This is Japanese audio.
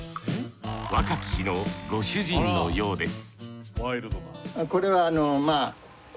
若き日のご主人のようです